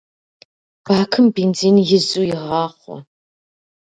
Бакым бензин изу игъахъуэ.